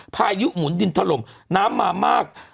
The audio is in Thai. พายุหมุนดินถล่มน้ำมามาก